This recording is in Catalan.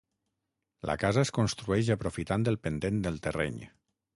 La casa es construeix aprofitant el pendent del terreny.